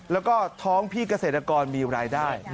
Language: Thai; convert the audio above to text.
แล้วก็ท้องพี่เกษตรกรมีรายได้